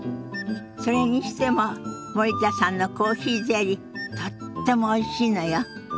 それにしても森田さんのコーヒーゼリーとってもおいしいのよ。